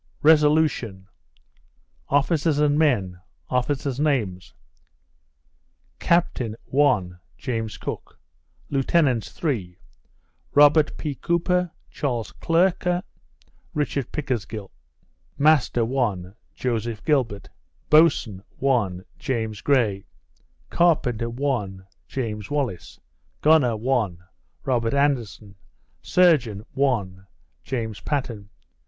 _ RESOLUTION Officers and Men, Officers Names Captain (1) James Cook. Lieutenants (3) Rob. P. Cooper, Charles Clerke, Richd. Pickersgill. Master (1) Joseph Gilbert. Boatswain (1) James Gray. Carpenter (1) James Wallis. Gunner (1) Robert Anderson. Surgeon (1) James Patten.